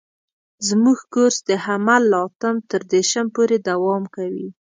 زموږ کورس د حمل له اتم تر دېرشم پورې دوام کوي.